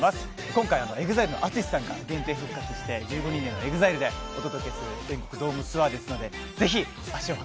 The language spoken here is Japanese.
今回はＥＸＩＬＥのＡＴＳＵＳＨＩさんも参加して１５人でのＥＸＩＬＥでお届けする全国ドームツアーです。